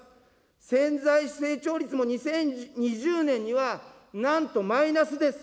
潜在成長率も２０２０年にはなんとマイナスです。